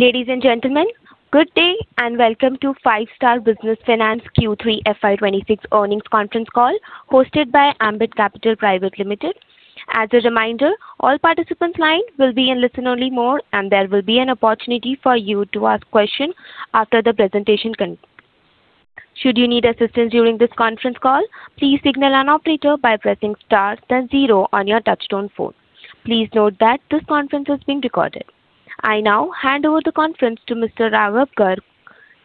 Ladies and gentlemen, good day and welcome to Five-Star Business Finance Q3 FY26 earnings conference call hosted by Ambit Capital Private Limited. As a reminder, all participants' lines will be in listen-only mode, and there will be an opportunity for you to ask questions after the presentation concludes. Should you need assistance during this conference call, please signal an operator by pressing stars, then zero on your touch-tone phone. Please note that this conference is being recorded. I now hand over the conference to Mr. Raghav Garg.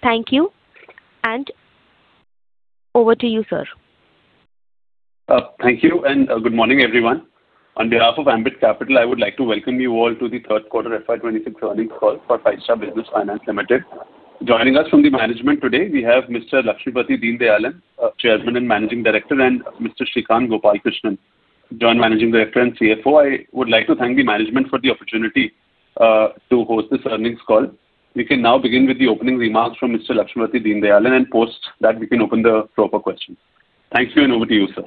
Thank you, and over to you, sir. Thank you, and good morning, everyone. On behalf of Ambit Capital, I would like to welcome you all to the third quarter FY26 earnings call for Five-Star Business Finance Limited. Joining us from the management today, we have Mr. Lakshmipathy Deenadayalan, Chairman and Managing Director, and Mr. Srikanth Gopalakrishnan, Joint Managing Director and CFO. I would like to thank the management for the opportunity to host this earnings call. We can now begin with the opening remarks from Mr. Lakshmipathy Deenadayalan, and post that, we can open the floor for questions. Thank you, and over to you, sir.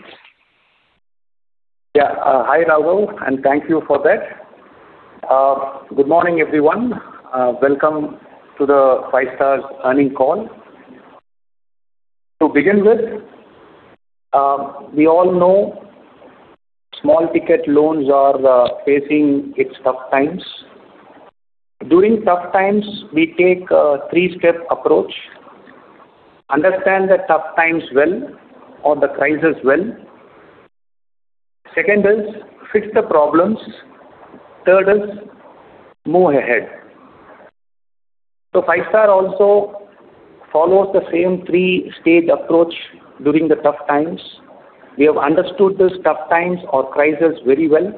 Yeah, hi Raghav, and thank you for that. Good morning, everyone. Welcome to the Five-Star's earnings call. To begin with, we all know small ticket loans are facing its tough times. During tough times, we take a three-step approach, understand the tough times well or the crisis well. Second is, fix the problems. Third is, move ahead. So Five-Star also follows the same three-stage approach during the tough times. We have understood these tough times or crisis very well,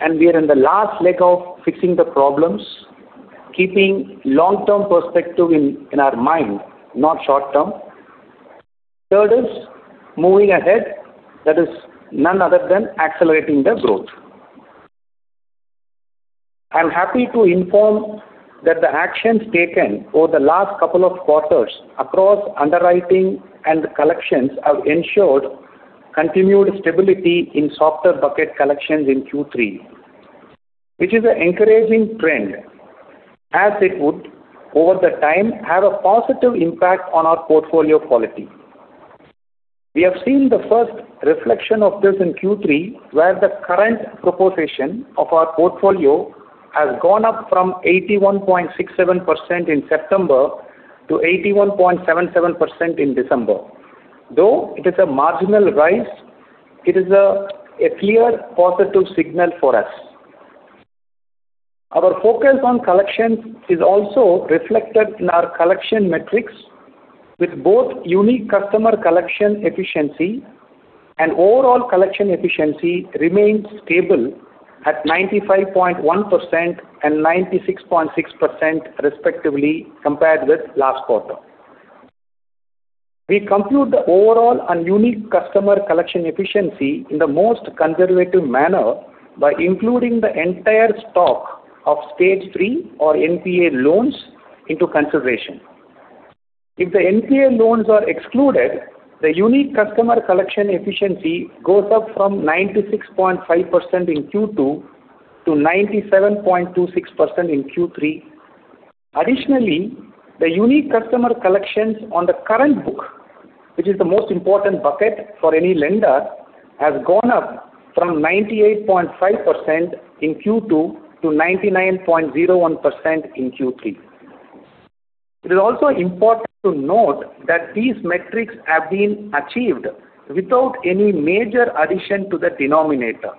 and we are in the last leg of fixing the problems, keeping long-term perspective in our mind, not short-term. Third is, moving ahead. That is none other than accelerating the growth. I'm happy to inform that the actions taken over the last couple of quarters across underwriting and collections have ensured continued stability in softer bucket collections in Q3, which is an encouraging trend, as it would, over time, have a positive impact on our portfolio quality. We have seen the first reflection of this in Q3, where the current proportion of our portfolio has gone up from 81.67% in September to 81.77% in December. Though it is a marginal rise, it is a clear positive signal for us. Our focus on collections is also reflected in our collection metrics, with both unique customer collection efficiency and overall collection efficiency remained stable at 95.1% and 96.6%, respectively, compared with last quarter. We compute the overall and unique customer collection efficiency in the most conservative manner by including the entire stock of Stage 3 or NPA loans into consideration. If the NPA loans are excluded, the unique customer collection efficiency goes up from 96.5% in Q2 to 97.26% in Q3. Additionally, the unique customer collections on the current book, which is the most important bucket for any lender, have gone up from 98.5% in Q2 to 99.01% in Q3. It is also important to note that these metrics have been achieved without any major addition to the denominator,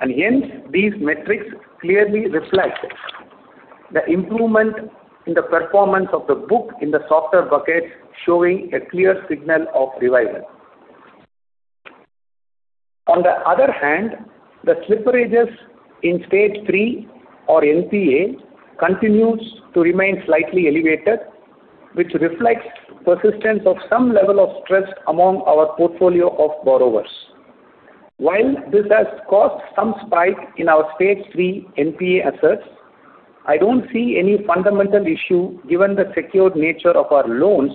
and hence, these metrics clearly reflect the improvement in the performance of the book in the softer buckets, showing a clear signal of revision. On the other hand, the slippages in Stage 3 or NPA continue to remain slightly elevated, which reflects the persistence of some level of stress among our portfolio of borrowers. While this has caused some spike in Stage 3 npa assets, I don't see any fundamental issue given the secured nature of our loans,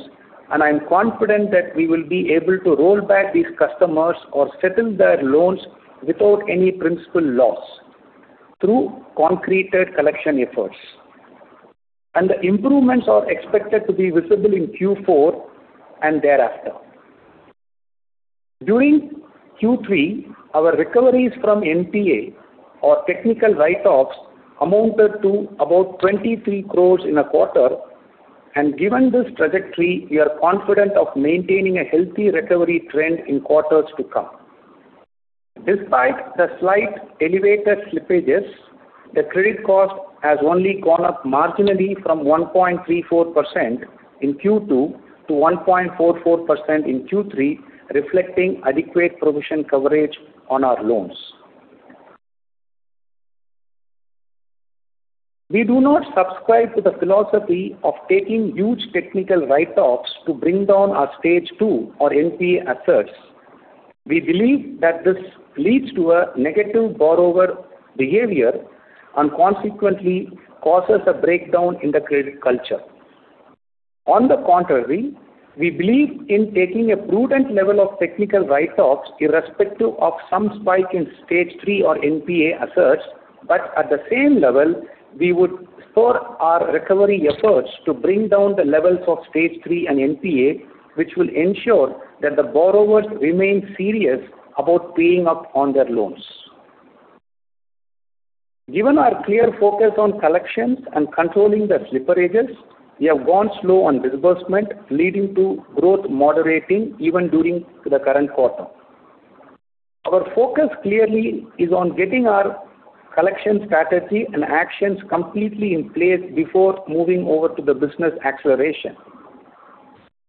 and I'm confident that we will be able to roll back these customers or settle their loans without any principal loss through concerted collection efforts, and the improvements are expected to be visible in Q4 and thereafter. During Q3, our recoveries from NPA or technical write-offs amounted to about 23 crore in a quarter, and given this trajectory, we are confident of maintaining a healthy recovery trend in quarters to come. Despite the slight elevated slippages, the credit cost has only gone up marginally from 1.34% in Q2 to 1.44% in Q3, reflecting adequate provision coverage on our loans. We do not subscribe to the philosophy of taking huge technical write-offs to bring down Stage 2 or NPA assets. We believe that this leads to a negative borrower behavior and consequently causes a breakdown in the credit culture. On the contrary, we believe in taking a prudent level of technical write-offs irrespective of some spike Stage 3 or NPA assets, but at the same level, we would spur our recovery efforts to bring down the levels Stage 3 and NPA, which will ensure that the borrowers remain serious about paying up on their loans. Given our clear focus on collections and controlling the slippages, we have gone slow on disbursement, leading to growth moderating even during the current quarter. Our focus clearly is on getting our collection strategy and actions completely in place before moving over to the business acceleration.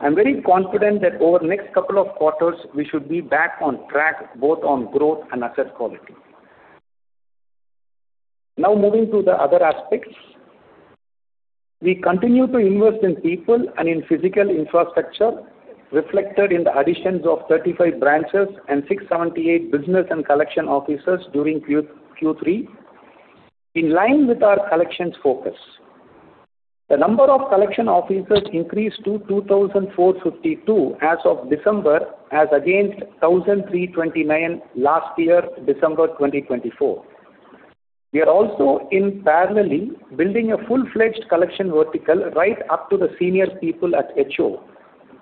I'm very confident that over the next couple of quarters, we should be back on track both on growth and asset quality. Now moving to the other aspects, we continue to invest in people and in physical infrastructure, reflected in the additions of 35 branches and 678 business and collection officers during Q3, in line with our collections focus. The number of collection officers increased to 2,452 as of December, as against 1,329 last year, December 2024. We are also parallelly building a full-fledged collection vertical right up to the senior people at HO,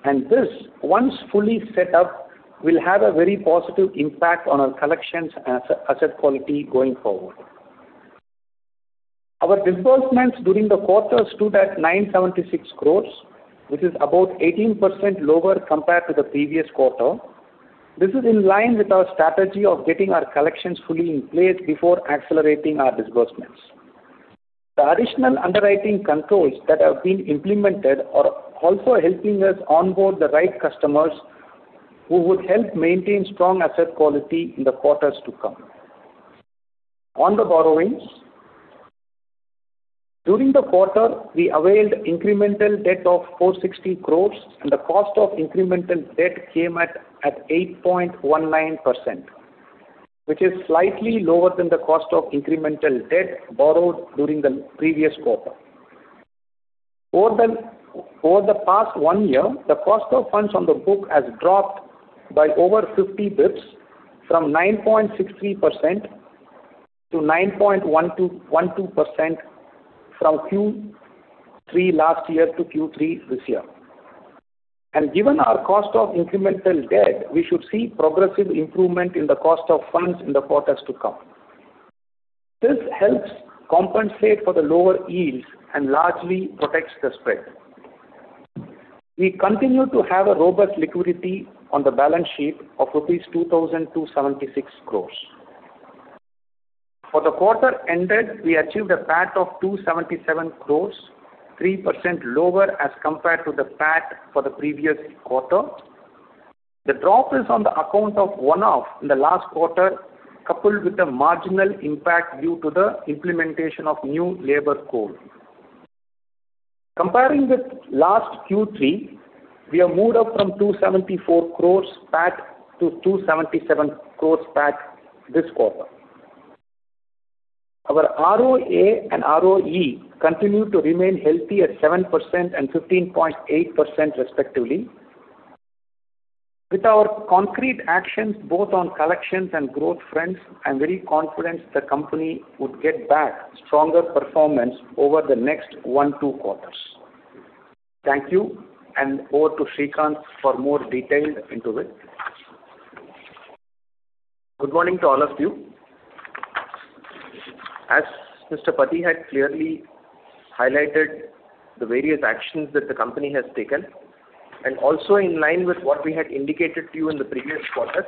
and this, once fully set up, will have a very positive impact on our collections and asset quality going forward. Our disbursements during the quarter stood at 976 crore, which is about 18% lower compared to the previous quarter. This is in line with our strategy of getting our collections fully in place before accelerating our disbursements. The additional underwriting controls that have been implemented are also helping us onboard the right customers who would help maintain strong asset quality in the quarters to come. On the borrowings, during the quarter, we availed incremental debt of 460 crores, and the cost of incremental debt came at 8.19%, which is slightly lower than the cost of incremental debt borrowed during the previous quarter. Over the past one year, the cost of funds on the book has dropped by over 50 basis points from 9.63%-9.12% from Q3 last year to Q3 this year. Given our cost of incremental debt, we should see progressive improvement in the cost of funds in the quarters to come. This helps compensate for the lower yields and largely protects the spread. We continue to have a robust liquidity on the balance sheet of rupees 2,276 crores. For the quarter ended, we achieved a PAT of 277 crore, 3% lower as compared to the PAT for the previous quarter. The drop is on the account of one-off in the last quarter, coupled with the marginal impact due to the implementation of new labor code. Comparing with last Q3, we have moved up from 274 crore PAT to 277 crore PAT this quarter. Our ROA and ROE continue to remain healthy at 7% and 15.8%, respectively. With our concrete actions both on collections and growth fronts, I'm very confident the company would get back stronger performance over the next one to two quarters. Thank you, and over to Srikanth for more detail into it. Good morning to all of you. As Mr. Pathy had clearly highlighted the various actions that the company has taken, and also in line with what we had indicated to you in the previous quarter,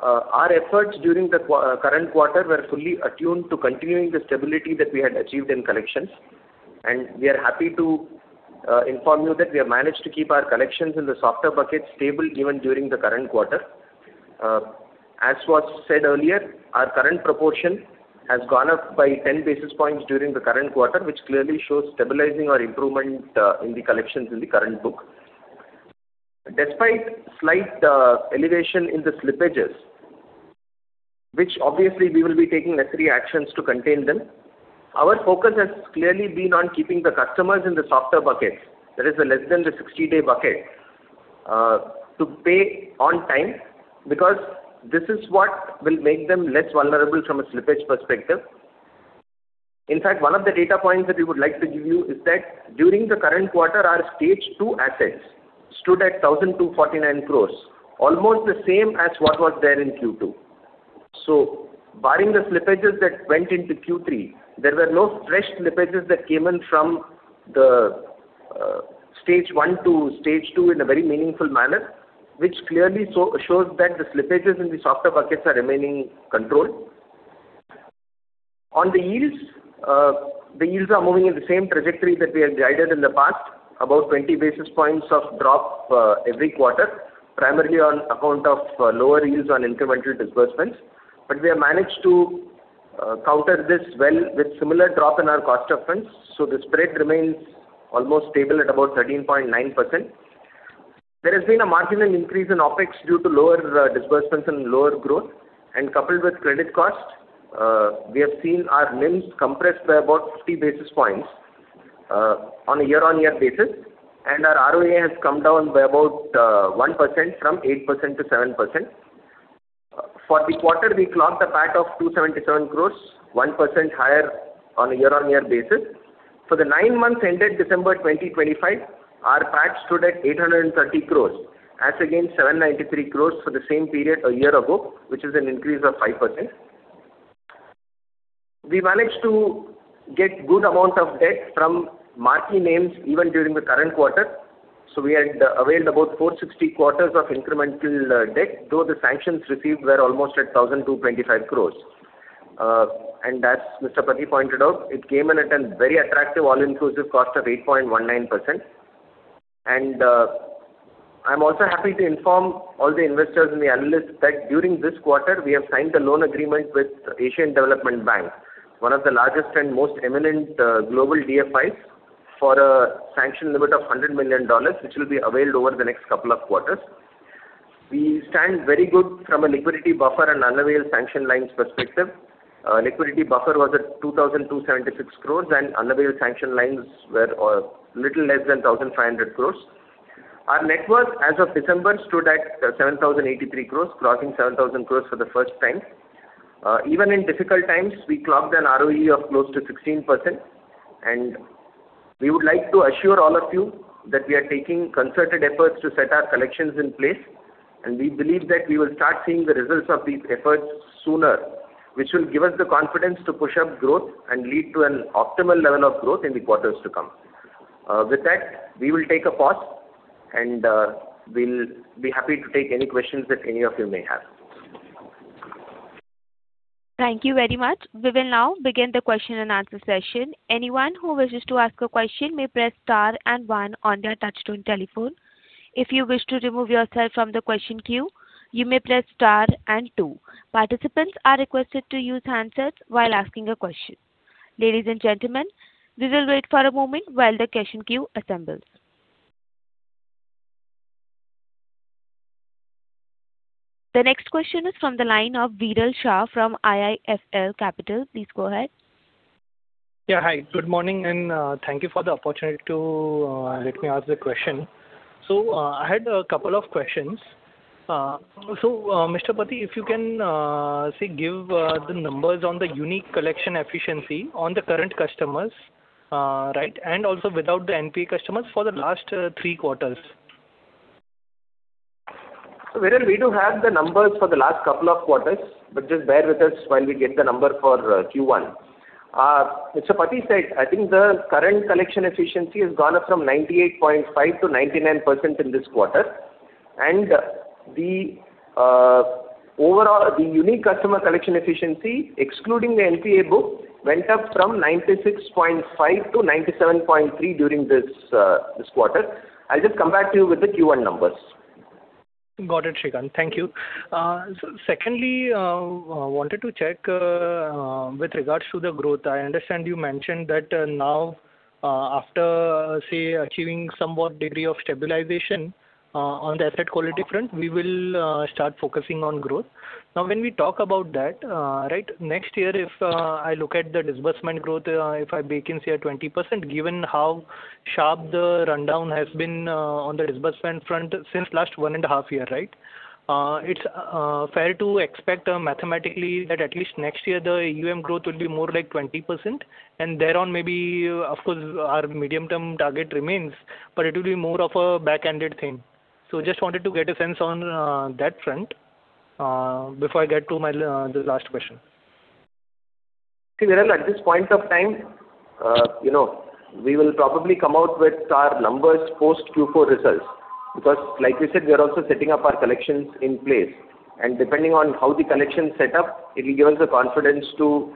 our efforts during the current quarter were fully attuned to continuing the stability that we had achieved in collections, and we are happy to inform you that we have managed to keep our collections in the softer bucket stable even during the current quarter. As was said earlier, our current proportion has gone up by 10 basis points during the current quarter, which clearly shows stabilizing or improvement in the collections in the current book. Despite slight elevation in the slippages, which obviously we will be taking necessary actions to contain them, our focus has clearly been on keeping the customers in the softer buckets, that is, the less than the 60-day bucket, to pay on time because this is what will make them less vulnerable from a slippage perspective. In fact, one of the data points that we would like to give you is that during the current quarter, Stage 2 assets stood at 1,249 crores, almost the same as what was there in Q2. So barring the slippages that went into Q3, there were no fresh slippages that came in from Stage 1 stage 2 in a very meaningful manner, which clearly shows that the slippages in the softer buckets are remaining controlled. On the yields, the yields are moving in the same trajectory that we had guided in the past, about 20 basis points of drop every quarter, primarily on account of lower yields on incremental disbursements, but we have managed to counter this well with a similar drop in our cost of funds, so the spread remains almost stable at about 13.9%. There has been a marginal increase in OPEX due to lower disbursements and lower growth, and coupled with credit cost, we have seen our NIMs compressed by about 50 basis points on a year-on-year basis, and our ROA has come down by about 1% from 8%-7%. For the quarter, we clocked a PAT of 277 crore, 1% higher on a year-on-year basis. For the nine months ended December 2025, our PAT stood at 830 crores, as against 793 crores for the same period a year ago, which is an increase of 5%. We managed to get a good amount of debt from marquee names even during the current quarter, so we had availed about 460 crores of incremental debt, though the sanctions received were almost at 1,225 crores. As Mr. Pathy pointed out, it came in at a very attractive all-inclusive cost of 8.19%. I'm also happy to inform all the investors and the analysts that during this quarter, we have signed a loan agreement with Asian Development Bank, one of the largest and most eminent global DFIs for a sanction limit of $100 million, which will be availed over the next couple of quarters. We stand very good from a liquidity buffer and unavailed sanction lines perspective. Liquidity buffer was at 2,276 crores, and unavailed sanction lines were a little less than 1,500 crores. Our net worth as of December stood at 7,083 crores, crossing 7,000 crores for the first time. Even in difficult times, we clocked an ROE of close to 16%, and we would like to assure all of you that we are taking concerted efforts to set our collections in place, and we believe that we will start seeing the results of these efforts sooner, which will give us the confidence to push up growth and lead to an optimal level of growth in the quarters to come. With that, we will take a pause, and we'll be happy to take any questions that any of you may have. Thank you very much. We will now begin the question and answer session. Anyone who wishes to ask a question may press star and one on their touchscreen telephone. If you wish to remove yourself from the question queue, you may press star and two. Participants are requested to use handsets while asking a question. Ladies and gentlemen, we will wait for a moment while the question queue assembles. The next question is from the line of Viral Shah from IIFL Capital. Please go ahead. Yeah, hi. Good morning, and thank you for the opportunity to let me ask the question. So I had a couple of questions. So Mr. Pathy, if you can give the numbers on the unique collection efficiency on the current customers, right, and also without the NPA customers for the last three quarters. So Viral, we do have the numbers for the last couple of quarters, but just bear with us while we get the number for Q1. Mr. Pathy said, I think the current collection efficiency has gone up from 98.5%-99% in this quarter, and the unique customer collection efficiency, excluding the NPA book, went up from 96.5%-97.3% during this quarter. I'll just come back to you with the Q1 numbers. Got it, Srikanth. Thank you. So secondly, I wanted to check with regards to the growth. I understand you mentioned that now, after, say, achieving somewhat degree of stabilization on the asset quality front, we will start focusing on growth. Now, when we talk about that, right, next year, if I look at the disbursement growth, if I baked in here 20%, given how sharp the rundown has been on the disbursement front since last one and a half year, right, it's fair to expect mathematically that at least next year, the growth will be more like 20%, and thereon maybe, of course, our medium-term target remains, but it will be more of a back-ended thing. So just wanted to get a sense on that front before I get to my last question. Viral, at this point of time, we will probably come out with our numbers post Q4 results because, like you said, we are also setting up our collections in place, and depending on how the collections set up, it will give us the confidence to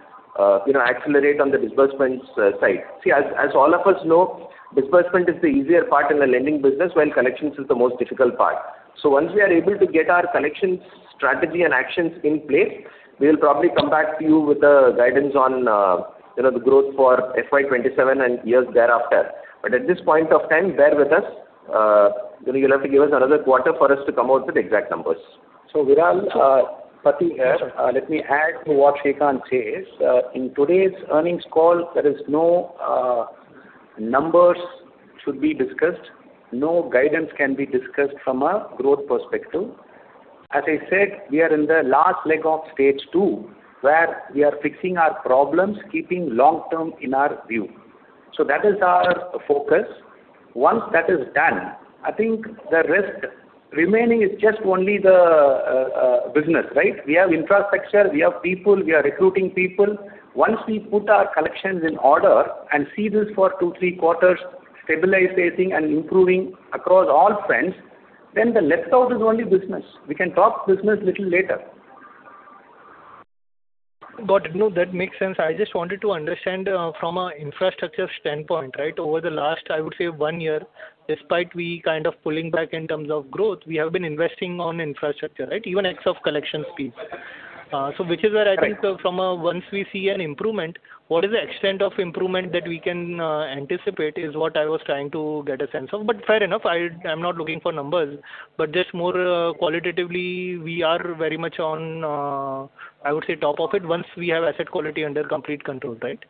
accelerate on the disbursements side. See, as all of us know, disbursement is the easier part in the lending business, while collections is the most difficult part. So once we are able to get our collections strategy and actions in place, we will probably come back to you with the guidance on the growth for FY27 and years thereafter. But at this point of time, bear with us. You'll have to give us another quarter for us to come out with exact numbers. So Viral, Pathy here. Let me add to what Srikanth says. In today's earnings call, there are no numbers that should be discussed. No guidance can be discussed from a growth perspective. As I said, we are in the last leg Stage 2 where we are fixing our problems, keeping long-term in our view. So that is our focus. Once that is done, I think the rest remaining is just only the business, right? We have infrastructure, we have people, we are recruiting people. Once we put our collections in order and see this for two, three quarters, stabilizing and improving across all fronts, then the left out is only business. We can talk business a little later. Got it. No, that makes sense. I just wanted to understand from an infrastructure standpoint, right? Over the last, I would say, one year, despite we kind of pulling back in terms of growth, we have been investing on infrastructure, right? Even X of collections piece. So which is where I think from once we see an improvement, what is the extent of improvement that we can anticipate is what I was trying to get a sense of. But fair enough, I'm not looking for numbers, but just more qualitatively, we are very much on, I would say, top of it once we have asset quality under complete control, right?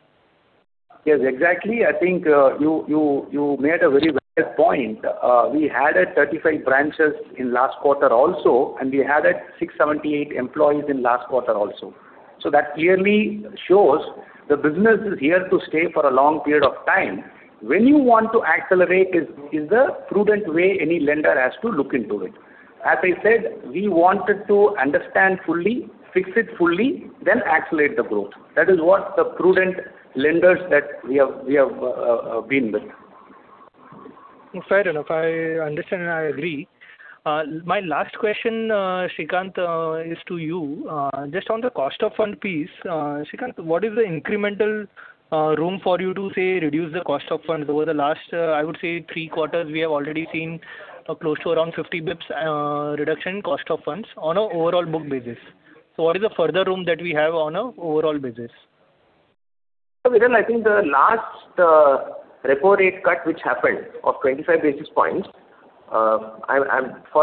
Yes, exactly. I think you made a very valid point. We had 35 branches in last quarter also, and we had 678 employees in last quarter also. So that clearly shows the business is here to stay for a long period of time. When you want to accelerate, is the prudent way any lender has to look into it. As I said, we wanted to understand fully, fix it fully, then accelerate the growth. That is what the prudent lenders that we have been with. Fair enough. I understand and I agree. My last question, Srikanth, is to you. Just on the cost of fund piece, Srikanth, what is the incremental room for you to say reduce the cost of funds? Over the last, I would say, three quarters, we have already seen close to around 50 basis points reduction in cost of funds on an overall book basis. So what is the further room that we have on an overall basis? Viral, I think the last repo rate cut which happened of 25 basis points, for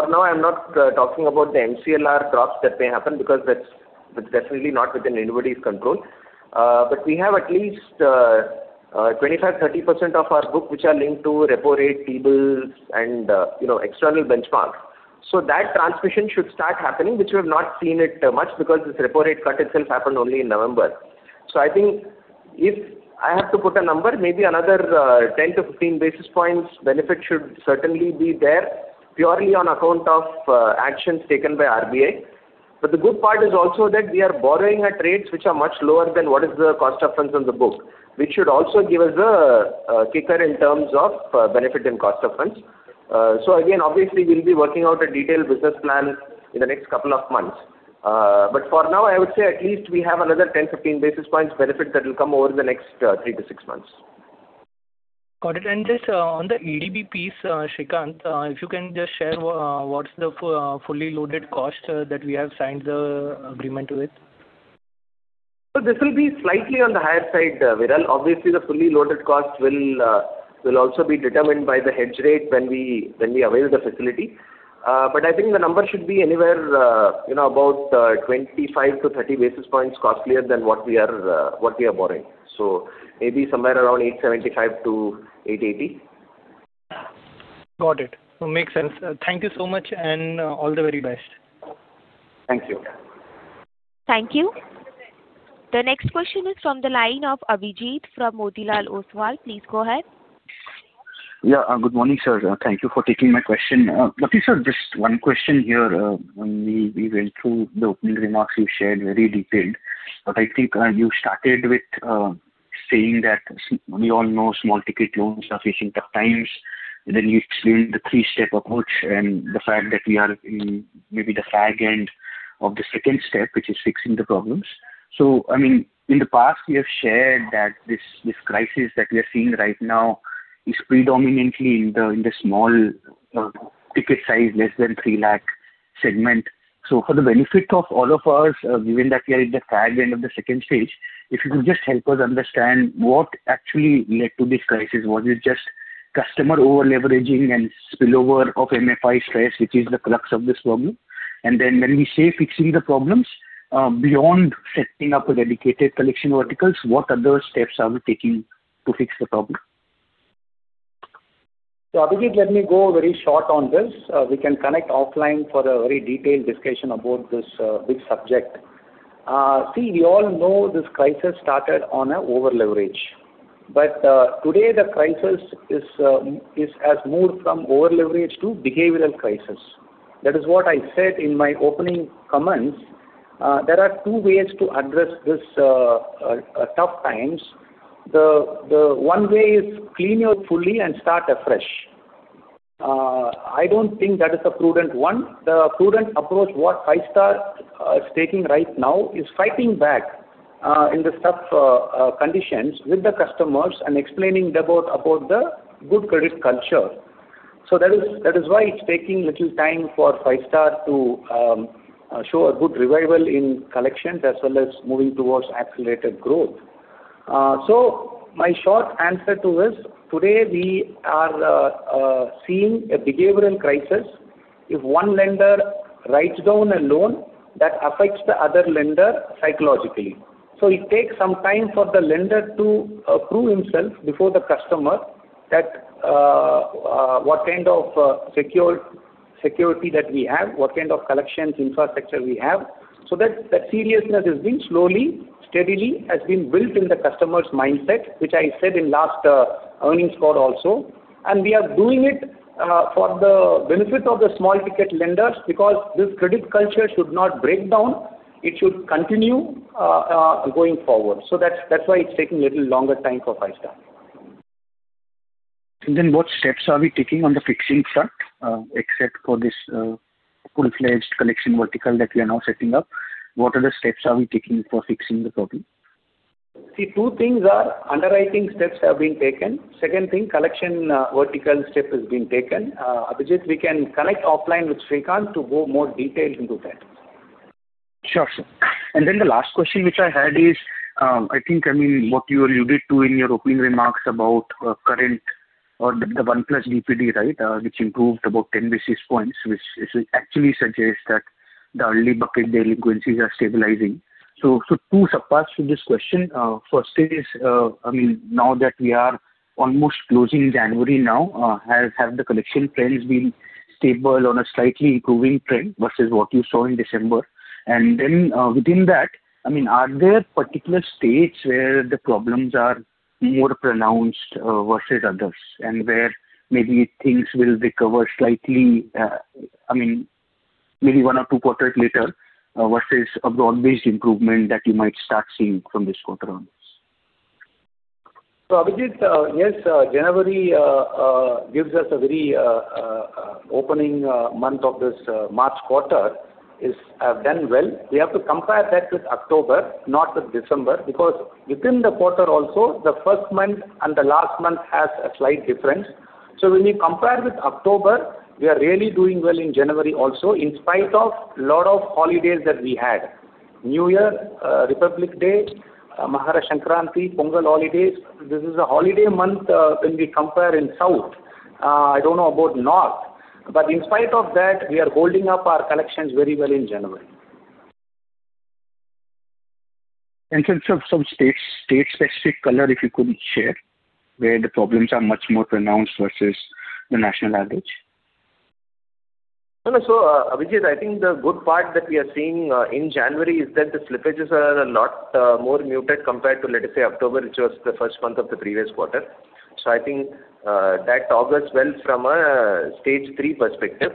now, I'm not talking about the MCLR drops that may happen because that's definitely not within anybody's control. But we have at least 25%-30% of our book which are linked to repo rate tables and external benchmarks. So that transmission should start happening, which we have not seen it much because this repo rate cut itself happened only in November. So I think if I have to put a number, maybe another 10-15 basis points benefit should certainly be there purely on account of actions taken by RBI. But the good part is also that we are borrowing at rates which are much lower than what is the cost of funds on the book, which should also give us a kicker in terms of benefit and cost of funds. So again, obviously, we'll be working out a detailed business plan in the next couple of months. But for now, I would say at least we have another 10-15 basis points benefit that will come over the next 3-6 months. Got it. And just on the ADB piece, Srikanth, if you can just share what's the fully loaded cost that we have signed the agreement with? So this will be slightly on the higher side, Viral. Obviously, the fully loaded cost will also be determined by the hedge rate when we avail the facility. But I think the number should be anywhere about 25-30 basis points costlier than what we are borrowing. So maybe somewhere around 875-880. Got it. Makes sense. Thank you so much and all the very best. Thank you. Thank you. The next question is from the line of Abhijit from Motilal Oswal. Please go ahead. Yeah, good morning, sir. Thank you for taking my question. But, sir, just one question here. We went through the opening remarks you shared very detailed. But I think you started with saying that we all know small ticket loans are facing tough times. Then you explained the three-step approach and the fact that we are in maybe the fag end of the second step, which is fixing the problems. So, I mean, in the past, we have shared that this crisis that we are seeing right now is predominantly in the small ticket size, less than 3 lakh segment. So for the benefit of all of us, given that we are in the fag end of the second stage, if you could just help us understand what actually led to this crisis. Was it just customer over-leveraging and spillover of MFI stress, which is the crux of this problem? And then when we say fixing the problems, beyond setting up a dedicated collection verticals, what other steps are we taking to fix the problem? So Abhijit, let me go very short on this. We can connect offline for a very detailed discussion about this big subject. See, we all know this crisis started on an over-leverage. But today, the crisis has moved from over-leverage to behavioral crisis. That is what I said in my opening comments. There are two ways to address these tough times. The one way is clean your books and start afresh. I don't think that is a prudent one. The prudent approach what Five-Star is taking right now is fighting back in the tough conditions with the customers and explaining about the good credit culture. So that is why it's taking little time for Five-Star to show a good revival in collections as well as moving towards accelerated growth. So my short answer to this, today we are seeing a behavioral crisis. If one lender writes down a loan, that affects the other lender psychologically. So it takes some time for the lender to prove himself before the customer that what kind of security that we have, what kind of collections infrastructure we have. So that seriousness has been slowly, steadily has been built in the customer's mindset, which I said in last earnings call also. We are doing it for the benefit of the small ticket lenders because this credit culture should not break down. It should continue going forward. So that's why it's taking a little longer time for Five-Star. Then what steps are we taking on the fixing front except for this full-fledged collection vertical that we are now setting up? What other steps are we taking for fixing the problem? See, two things are underwriting steps have been taken. Second thing, collection vertical step has been taken. Abhijit, we can connect offline with Srikanth to go more detailed into that. Sure, sure. And then the last question which I had is, I think, I mean, what you alluded to in your opening remarks about current or the 1+ DPD, right, which improved about 10 basis points, which actually suggests that the early bucket delinquencies are stabilizing. So two subparts to this question. First is, I mean, now that we are almost closing January now, have the collection trends been stable on a slightly improving trend versus what you saw in December? And then within that, I mean, are there particular states where the problems are more pronounced versus others and where maybe things will recover slightly, I mean, maybe one or two quarters later versus a broad-based improvement that you might start seeing from this quarter onwards? So Abhijit, yes, January gives us a very opening month of this March quarter is have done well. We have to compare that with October, not with December, because within the quarter also, the first month and the last month has a slight difference. So when you compare with October, we are really doing well in January also in spite of a lot of holidays that we had: New Year, Republic Day, Maharashtra Sankranti, Pongal holidays. This is a holiday month when we compare in South. I don't know about North. But in spite of that, we are holding up our collections very well in January. In terms of state-specific color, if you could share where the problems are much more pronounced versus the national average? So Abhijit, I think the good part that we are seeing in January is that the slippages are a lot more muted compared to, let us say, October, which was the first month of the previous quarter. So I think that augurs well from a Stage 3 perspective.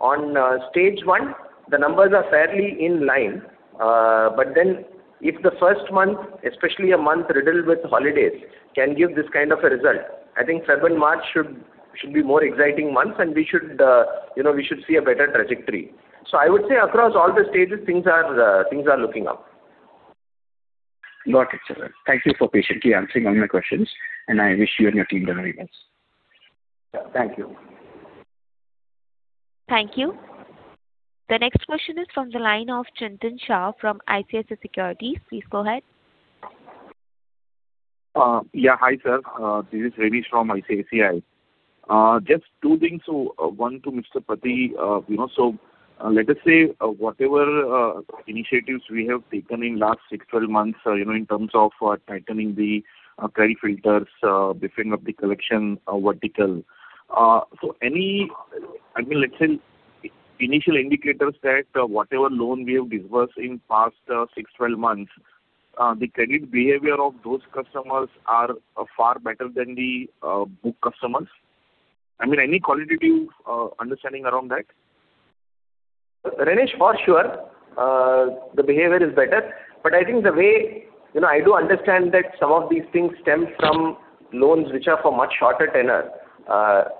On Stage 1, the numbers are fairly in line. But then if the first month, especially a month riddled with holidays, can give this kind of a result, I think Feb and March should be more exciting months, and we should see a better trajectory. So I would say across all the stages, things are looking up. Got it. Thank you for patiently answering all my questions. And I wish you and your team the very best. Thank you. Thank you. The next question is from the line of Chintan Shah from ICICI Securities. Please go ahead. Yeah, hi, sir. This is Ravish from ICICI. Just two things. So one to Mr. Pathy. So let us say whatever initiatives we have taken in last 6-12 months in terms of tightening the credit filters, briefing of the collection vertical. So any, I mean, let's say initial indicators that whatever loan we have disbursed in past 6-12 months, the credit behavior of those customers are far better than the book customers? I mean, any qualitative understanding around that? Ravish, for sure, the behavior is better. But I think the way I do understand that some of these things stem from loans which are for much shorter tenor.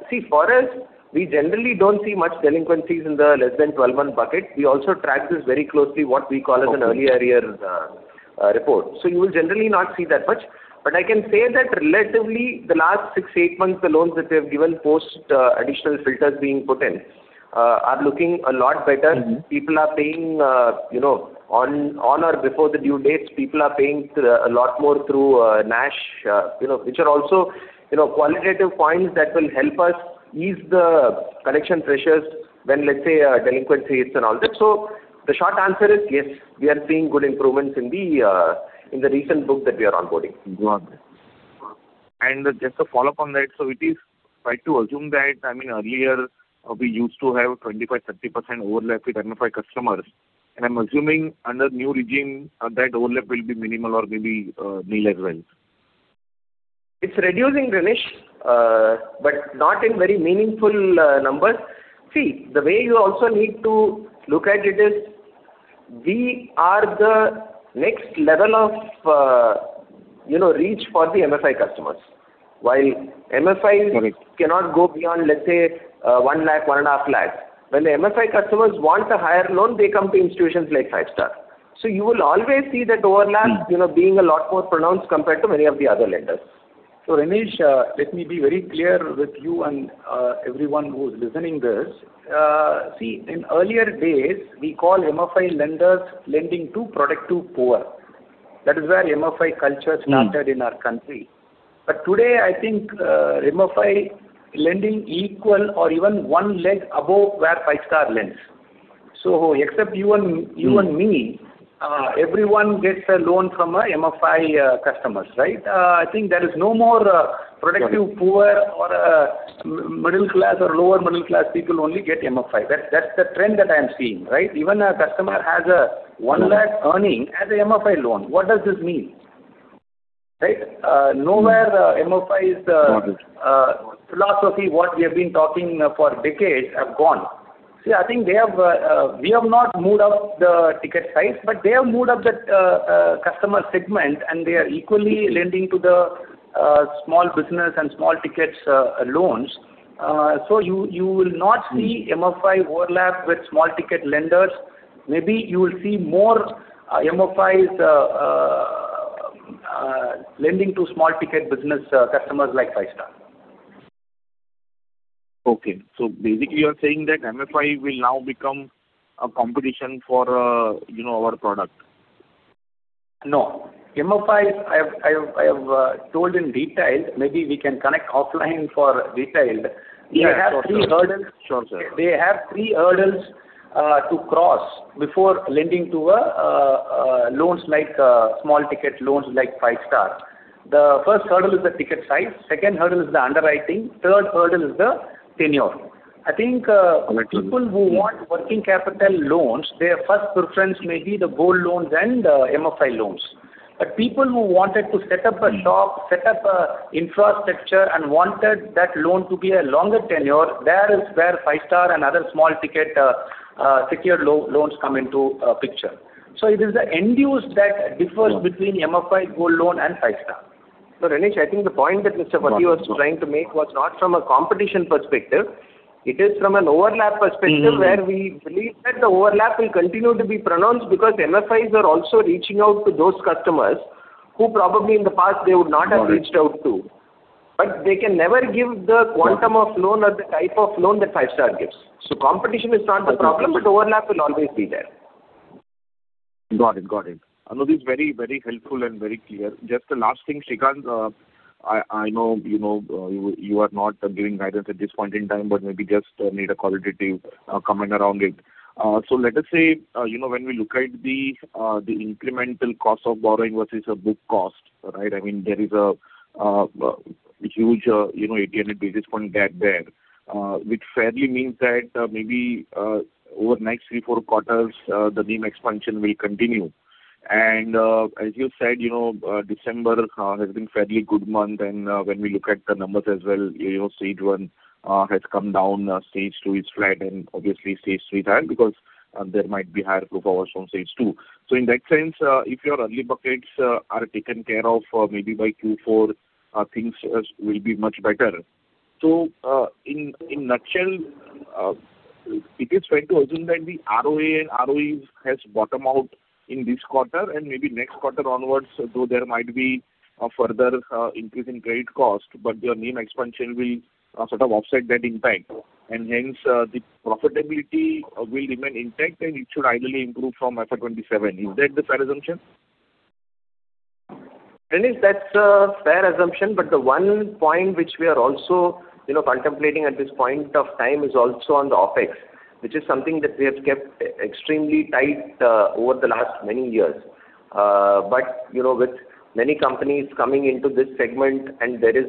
See, for us, we generally don't see much delinquencies in the less than 12-month bucket. We also track this very closely, what we call as an earlier year report. So you will generally not see that much. But I can say that relatively, the last 6, 8 months, the loans that we have given post additional filters being put in are looking a lot better. People are paying on or before the due dates. People are paying a lot more through NACH, which are also qualitative points that will help us ease the collection pressures when, let's say, delinquency hits and all that. So the short answer is yes, we are seeing good improvements in the recent book that we are onboarding. Got it. And just to follow up on that, so it is safe to assume that, I mean, earlier we used to have 25%-30% overlap with MFI customers. And I'm assuming under new regime, that overlap will be minimal or maybe nil as well. It's reducing, Ravish, but not in very meaningful numbers. See, the way you also need to look at it is we are the next level of reach for the MFI customers. While MFIs cannot go beyond, let's say, 1 lakh, 1.5 lakh. When the MFI customers want a higher loan, they come to institutions like Five-Star. So you will always see that overlap being a lot more pronounced compared to many of the other lenders. So Ravish, let me be very clear with you and everyone who's listening this. See, in earlier days, we call MFI lenders lending to product to poor. That is where MFI culture started in our country. But today, I think MFI lending equal or even one leg above where Five-Star lends. So except you and me, everyone gets a loan from MFI customers, right? I think there is no more productive poor or middle class or lower middle class people only get MFI. That's the trend that I am seeing, right? Even a customer has a 1 lakh earning as an MFI loan. What does this mean? Right? Nowhere MFI's philosophy, what we have been talking for decades, have gone. See, I think we have not moved up the ticket size, but they have moved up the customer segment, and they are equally lending to the small business and small ticket loans. So you will not see MFI overlap with small ticket lenders. Maybe you will see more MFIs lending to small ticket business customers like Five-Star. Okay. So basically, you are saying that MFI will now become a competition for our product? No. MFIs, I have told in detail. Maybe we can connect offline for detailed. They have three hurdles. Sure, sir. They have three hurdles to cross before lending to loans like small ticket loans like Five-Star. The first hurdle is the ticket size. Second hurdle is the underwriting. Third hurdle is the tenure. I think people who want working capital loans, their first preference may be the gold loans and MFI loans. But people who wanted to set up a shop, set up infrastructure, and wanted that loan to be a longer tenure, there is where Five-Star and other small ticket secured loans come into picture. So it is the end use that differs between MFI gold loan and Five-Star. So Ravish, I think the point that Mr. Pathy was trying to make was not from a competition perspective. It is from an overlap perspective where we believe that the overlap will continue to be pronounced because MFIs are also reaching out to those customers who probably in the past they would not have reached out to. But they can never give the quantum of loan or the type of loan that Five-Star gives. So competition is not the problem, but overlap will always be there. Got it. Got it. [Anubhi], it's very, very helpful and very clear. Just the last thing, Srikanth, I know you are not giving guidance at this point in time, but maybe just need a qualitative comment around it. So let us say when we look at the incremental cost of borrowing versus a book cost, right? I mean, there is a huge 80 basis points gap there, which fairly means that maybe over the next three, four quarters, the NIM expansion will continue. As you said, December has been a fairly good month. When we look at the numbers as Stage 1 has come Stage 2 is flat, and Stage 3 is higher because there might be higher provisioning Stage 2. in that sense, if your early buckets are taken care of maybe by Q4, things will be much better. In a nutshell, it is fair to assume that the ROA and ROE have bottomed out in this quarter and maybe next quarter onwards, though there might be a further increase in credit cost, but your NIM expansion will sort of offset that impact. Hence, the profitability will remain intact, and it should ideally improve from FY27. Is that the fair assumption? Ravish, that's a fair assumption. But the one point which we are also contemplating at this point of time is also on the OPEX, which is something that we have kept extremely tight over the last many years. But with many companies coming into this segment and there is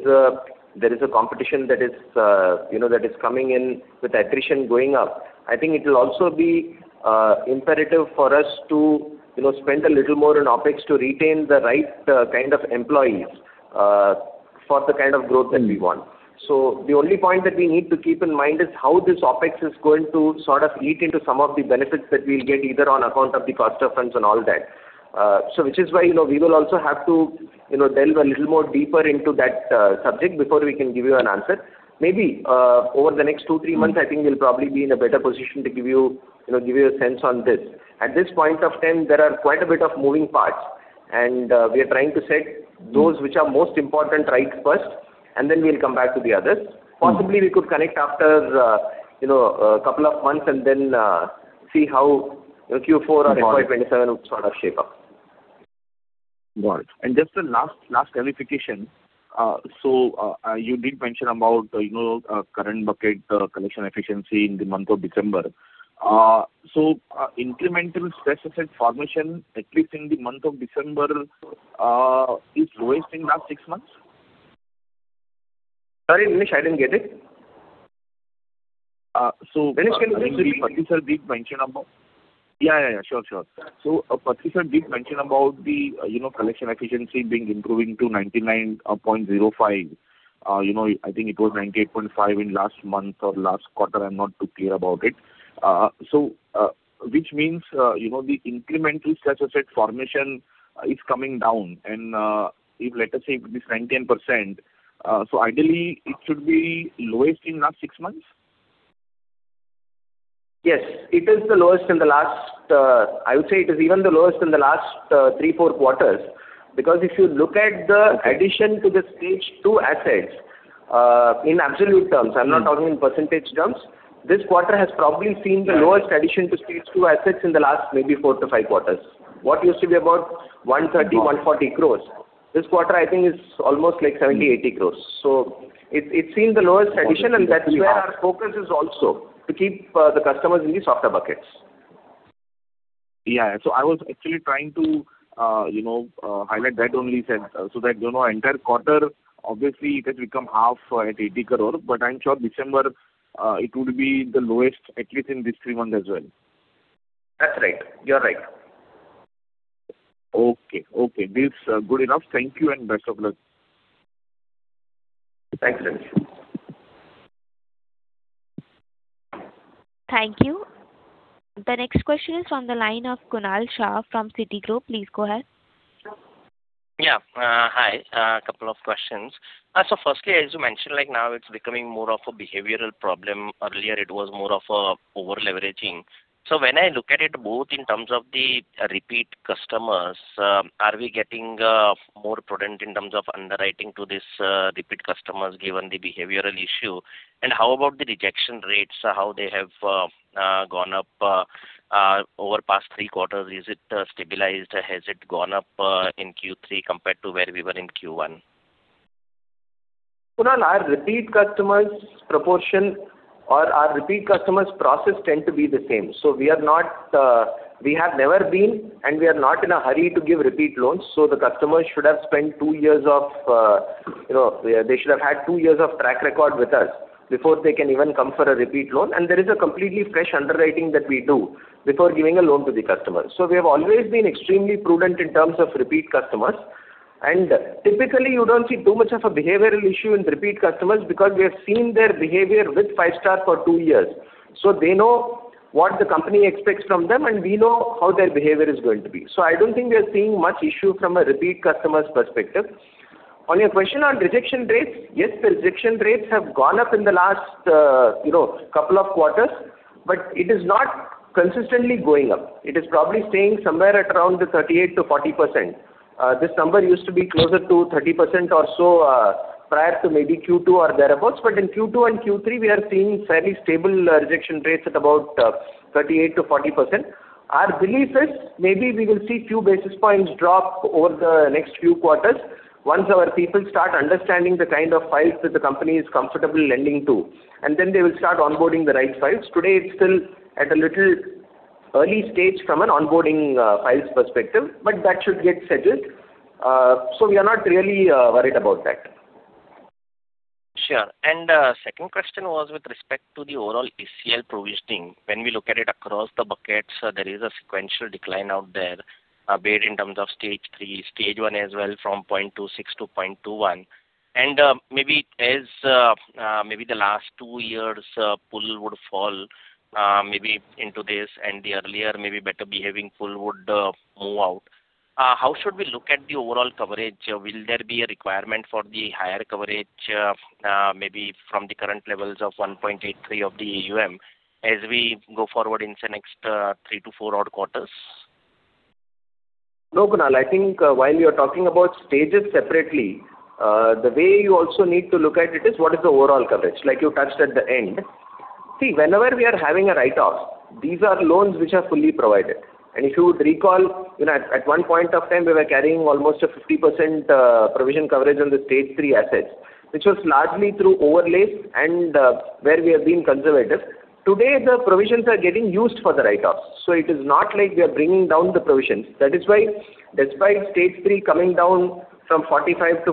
a competition that is coming in with attrition going up, I think it will also be imperative for us to spend a little more on OPEX to retain the right kind of employees for the kind of growth that we want. So the only point that we need to keep in mind is how this OPEX is going to sort of eat into some of the benefits that we'll get either on account of the cost of funds and all that. So which is why we will also have to delve a little more deeper into that subject before we can give you an answer. Maybe over the next two, three months, I think we'll probably be in a better position to give you a sense on this. At this point of time, there are quite a bit of moving parts, and we are trying to set those which are most important rights first, and then we'll come back to the others. Possibly, we could connect after a couple of months and then see how Q4 or FY27 would sort of shape up. Got it. And just the last clarification. So you did mention about current bucket collection efficiency in the month of December. So incremental stress asset formation, at least in the month of December, is lowest in the last six months? Sorry, Ravish, I didn't get it. So Ravish, can you just repeat what Pathi Sir did mention about? Yeah, yeah, yeah. Sure, sure. So Pathi Sir did mention about the collection efficiency being improving to 99.05%. I think it was 98.5% in last month or last quarter. I'm not too clear about it. So which means the incremental stress asset formation is coming down. And if let us say this 99%, so ideally, it should be lowest in the last six months? Yes. It is the lowest in the last. I would say it is even the lowest in the last three, four quarters. Because if you look at the addition to the Stage 2 assets in absolute terms, I'm not talking in percentage terms, this quarter has probably seen the lowest addition to Stage 2 assets in the last maybe four to five quarters. What used to be about 130 crore-140 crore, this quarter, I think, is almost like 70 crore-80 crore. So it's seen the lowest addition, and that's where our focus is also to keep the customers in these softer buckets. Yeah. So I was actually trying to highlight that only, so that entire quarter, obviously, it has become half at 80 crore. But I'm sure December, it would be the lowest, at least in this three months as well. That's right. You're right. Okay. Okay. This is good enough. Thank you and best of luck. Thanks, Ravish. Thank you. The next question is from the line of Kunal Shah from Citigroup. Please go ahead. Yeah. Hi. A couple of questions. So firstly, as you mentioned, now it's becoming more of a behavioral problem. Earlier, it was more of a over-leveraging. So when I look at it both in terms of the repeat customers, are we getting more prudent in terms of underwriting to these repeat customers given the behavioral issue? And how about the rejection rates? How they have gone up over the past three quarters? Is it stabilized? Has it gone up in Q3 compared to where we were in Q1? Kunal, our repeat customers' proportion or our repeat customers' process tend to be the same. So we have never been, and we are not in a hurry to give repeat loans. So the customers should have spent two years or they should have had two years of track record with us before they can even come for a repeat loan. And there is a completely fresh underwriting that we do before giving a loan to the customer. We have always been extremely prudent in terms of repeat customers. Typically, you don't see too much of a behavioral issue in repeat customers because we have seen their behavior with Five-Star for two years. They know what the company expects from them, and we know how their behavior is going to be. I don't think we are seeing much issue from a repeat customer's perspective. On your question on rejection rates, yes, the rejection rates have gone up in the last couple of quarters, but it is not consistently going up. It is probably staying somewhere at around 38%-40%. This number used to be closer to 30% or so prior to maybe Q2 or thereabouts. In Q2 and Q3, we are seeing fairly stable rejection rates at about 38%-40%. Our belief is maybe we will see a few basis points drop over the next few quarters once our people start understanding the kind of files that the company is comfortable lending to. And then they will start onboarding the right files. Today, it's still at a little early stage from an onboarding files perspective, but that should get settled. So we are not really worried about that. Sure. And second question was with respect to the overall ECL provisioning. When we look at it across the buckets, there is a sequential decline out there, be it in stage 3, Stage 1 as well from 0.26%-0.21%. And maybe as maybe the last two years, pool would fall maybe into this, and the earlier, maybe better behaving pool would move out. How should we look at the overall coverage? Will there be a requirement for the higher coverage maybe from the current levels of 1.83 of the AUM as we go forward into the next three to four odd quarters? No, Kunal. I think while you're talking about stages separately, the way you also need to look at it is what is the overall coverage. Like you touched at the end. See, whenever we are having a write-off, these are loans which are fully provided. And if you would recall, at one point of time, we were carrying almost a 50% provision coverage on Stage 3 assets, which was largely through overlays and where we have been conservative. Today, the provisions are getting used for the write-offs. So it is not like we are bringing down the provisions. That is why, Stage 3 coming down from 45-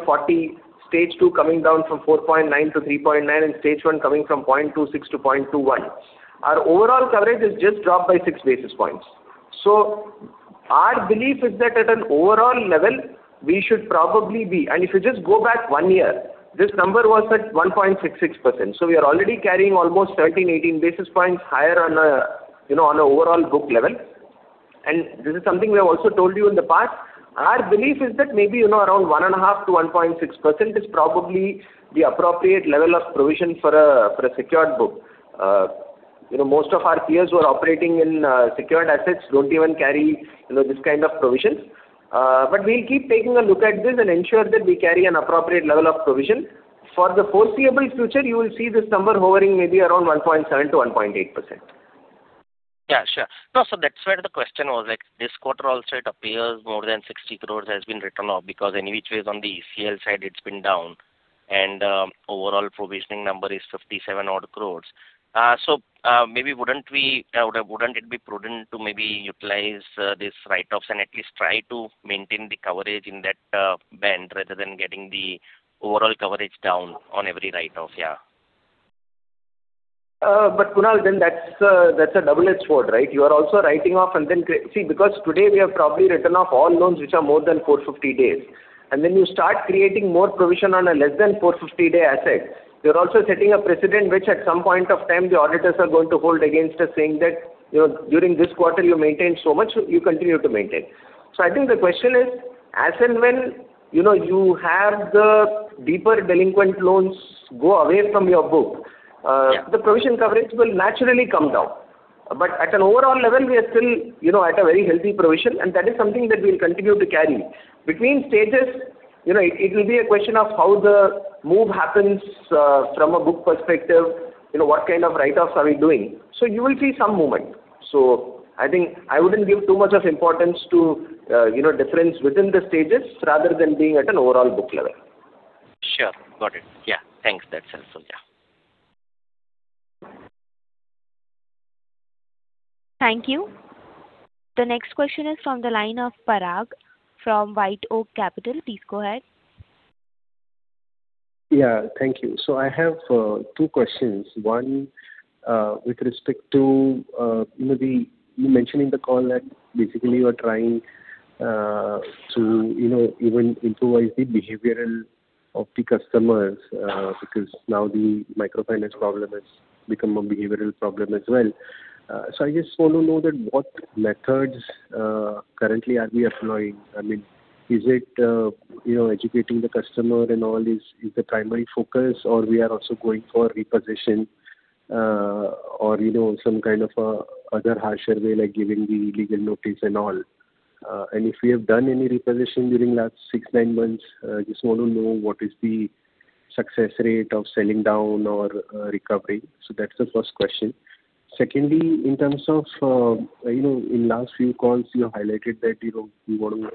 Stage 2 coming down from 4.9-3.9, Stage 1 coming from 0.26-0.21, our overall coverage has just dropped by six basis points. So our belief is that at an overall level, we should probably be. And if you just go back one year, this number was at 1.66%. So we are already carrying almost 13, 18 basis points higher on an overall book level. And this is something we have also told you in the past. Our belief is that maybe around 1.5%-1.6% is probably the appropriate level of provision for a secured book. Most of our peers who are operating in secured assets don't even carry this kind of provisions. But we'll keep taking a look at this and ensure that we carry an appropriate level of provision. For the foreseeable future, you will see this number hovering maybe around 1.7%-1.8%. Yeah. Sure. No, so that's where the question was. This quarter also it appears more than 60 crore has been written off because any which ways on the ECL side, it's been down. And overall provisioning number is 57 crore-odd. So maybe wouldn't it be prudent to maybe utilize these write-offs and at least try to maintain the coverage in that band rather than getting the overall coverage down on every write-off? Yeah. But Kunal, then that's a double-edged sword, right? You are also writing off and then see, because today we have probably written off all loans which are more than 450 days. And then you start creating more provision on a less than 450-day asset. You're also setting a precedent which at some point of time, the auditors are going to hold against us saying that during this quarter, you maintained so much, you continue to maintain. So I think the question is, as and when you have the deeper delinquent loans go away from your book, the provision coverage will naturally come down. But at an overall level, we are still at a very healthy provision. And that is something that we will continue to carry. Between stages, it will be a question of how the move happens from a book perspective, what kind of write-offs are we doing. So you will see some movement. So I think I wouldn't give too much of importance to difference within the stages rather than being at an overall book level. Sure. Got it. Yeah. Thanks. That's helpful. Yeah. Thank you. The next question is from the line of Parag from White Oak Capital. Please go ahead. Yeah. Thank you. So I have two questions. One with respect to you mentioned in the call that basically you are trying to even improve the behavior of the customers because now the microfinance problem has become a behavioral problem as well. So I just want to know that what methods currently are we employing? I mean, is it educating the customer and all is the primary focus, or we are also going for repossession or some kind of other harsher way like giving the legal notice and all? And if we have done any repossession during the last 6, 9 months, I just want to know what is the success rate of settlement or recovery. So that's the first question. Secondly, in terms of in the last few calls, you highlighted that you want to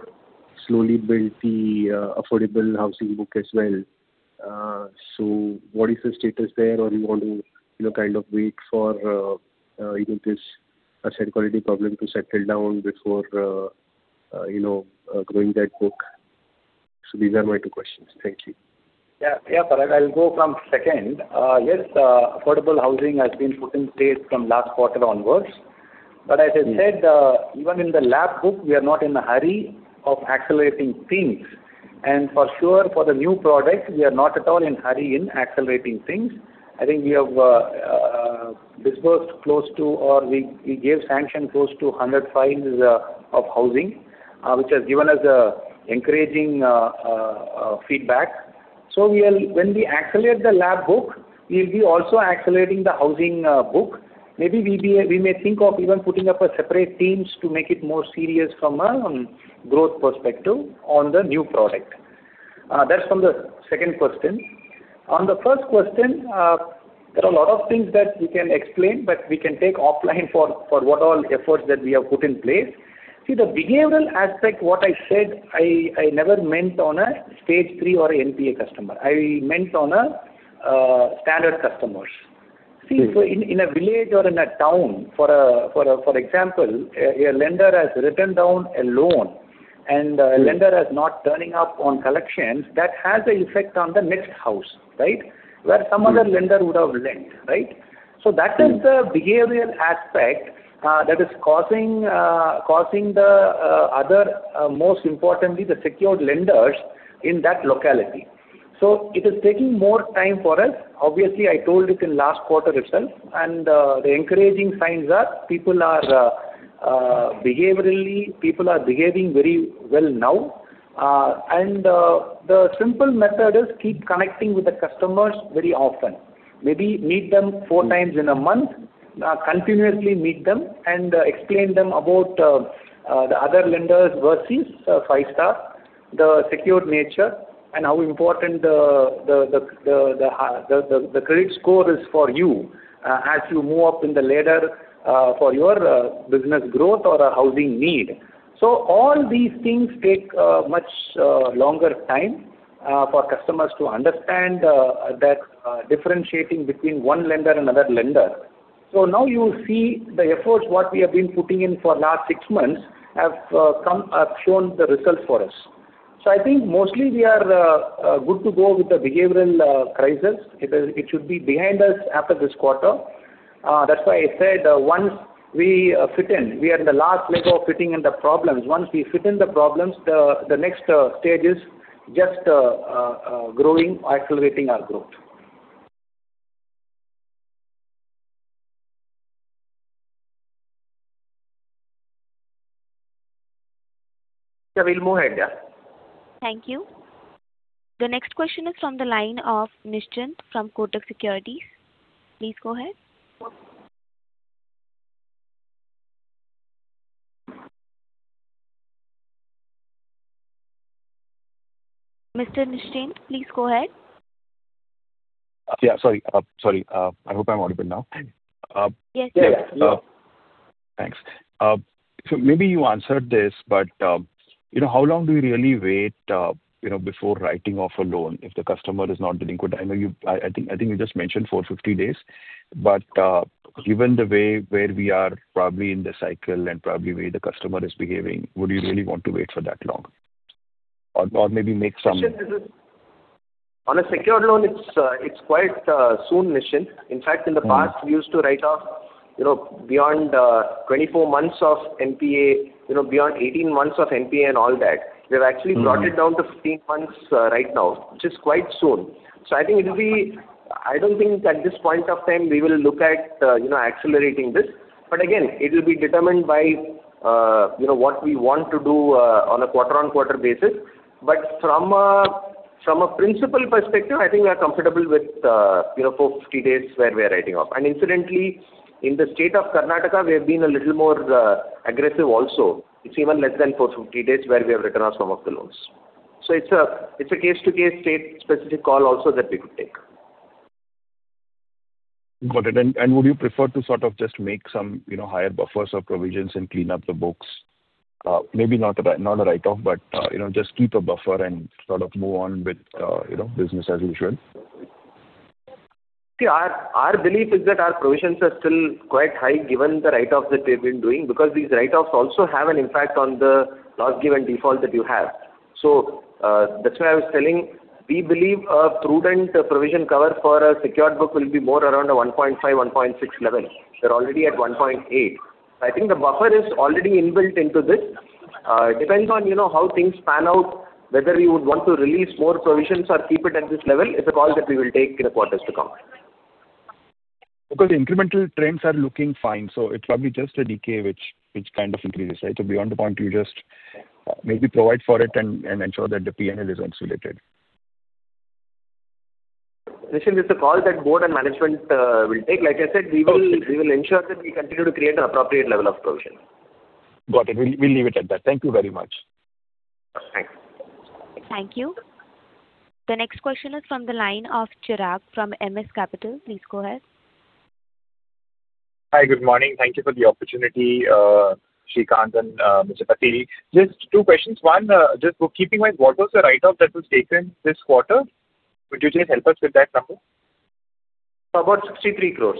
slowly build the affordable housing book as well. So what is the status there, or you want to kind of wait for this asset quality problem to settle down before going that book? So these are my two questions. Thank you. Yeah. Yeah. Parag, I'll go from second. Yes, affordable housing has been put in place from last quarter onwards. But as I said, even in the LAP book, we are not in a hurry of accelerating things. And for sure, for the new product, we are not at all in a hurry in accelerating things. I think we have disbursed close to, or we gave sanction close to 100 files of housing, which has given us encouraging feedback. So when we accelerate the LAP book, we'll be also accelerating the housing book. Maybe we may think of even putting up a separate team to make it more serious from a growth perspective on the new product. That's from the second question. On the first question, there are a lot of things that we can explain, but we can take offline for what all efforts that we have put in place. See, the behavioral aspect, what I said, I never meant on Stage 3 or an NPA customer. I meant on a standard customers. See, in a village or in a town, for example, a lender has written down a loan, and a lender is not turning up on collections, that has an effect on the next house, right, where some other lender would have lent, right? So that is the behavioral aspect that is causing the other, most importantly, the secured lenders in that locality. So it is taking more time for us. Obviously, I told it in last quarter itself, and the encouraging signs are people are behaviorally, people are behaving very well now. The simple method is keep connecting with the customers very often. Maybe meet them 4x in a month, continuously meet them, and explain them about the other lenders versus Five-Star, the secured nature, and how important the credit score is for you as you move up in the ladder for your business growth or a housing need. So all these things take much longer time for customers to understand that differentiating between one lender and another lender. So now you will see the efforts what we have been putting in for the last six months have shown the results for us. So I think mostly we are good to go with the behavioral crisis. It should be behind us after this quarter. That's why I said once we fit in, we are in the last leg of fitting in the problems. Once we fit in the problems, the next stage is just growing, accelerating our growth. Yeah. We'll move ahead. Yeah. Thank you. The next question is from the line of Nishant from Kotak Securities. Please go ahead. Mr. Nishant, please go ahead. Yeah. Sorry. Sorry. I hope I'm audible now. Yes. Yes. Thanks. So maybe you answered this, but how long do we really wait before writing off a loan if the customer is not delinquent? I think you just mentioned 450 days. But given the way where we are probably in the cycle and probably the way the customer is behaving, would you really want to wait for that long? Or maybe make some Nishant, on a secured loan, it's quite soon, Nishant. In fact, in the past, we used to write off beyond 24 months of NPA, beyond 18 months of NPA and all that. We have actually brought it down to 15 months right now, which is quite soon. So I think it will be. I don't think at this point of time, we will look at accelerating this. But again, it will be determined by what we want to do on a quarter-on-quarter basis. But from a principal perspective, I think we are comfortable with 450 days where we are writing off. And incidentally, in the state of Karnataka, we have been a little more aggressive also. It's even less than 450 days where we have written off some of the loans. So it's a case-to-case state-specific call also that we could take. Got it. Would you prefer to sort of just make some higher buffers or provisions and clean up the books? Maybe not a write-off, but just keep a buffer and sort of move on with business as usual. See, our belief is that our provisions are still quite high given the write-offs that we have been doing because these write-offs also have an impact on the loss given default that you have. So that's why I was telling, we believe a prudent provision cover for a secured book will be more around a 1.5-1.6 level. We're already at 1.8. I think the buffer is already inbuilt into this. It depends on how things pan out, whether we would want to release more provisions or keep it at this level. It's a call that we will take in the quarters to come. Because incremental trends are looking fine. So it's probably just a decay which kind of increases, right? So beyond the point, you just maybe provide for it and ensure that the P&L is insulated. Nishant, it's a call that board and management will take. Like I said, we will ensure that we continue to create an appropriate level of provision. Got it. We'll leave it at that. Thank you very much. Thanks. Thank you. The next question is from the line of Chirag from MS Capital. Please go ahead. Hi. Good morning. Thank you for the opportunity, Srikanth and Mr. Pathy. Just two questions. One, just bookkeeping-wise, what was the write-off that was taken this quarter? Could you just help us with that number? About 63 crores.